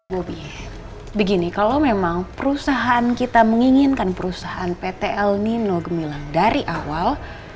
bobi begini kalau memang perusahaan kita menginginkan perusahaan pt el nino gemilang dari awal